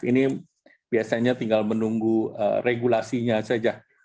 ini biasanya tinggal menunggu regulasinya saja